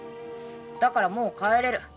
だからもう帰れる。